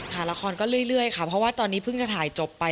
ถ่ายละครก็เรื่อยค่ะเพราะว่าตอนนี้เพิ่งจะถ่ายจบไป